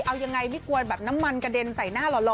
เอายังไงไม่กลัวแบบน้ำมันกระเด็นใส่หน้าหล่อ